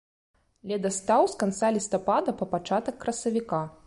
Ледастаў з канца лістапада па пачатак красавіка.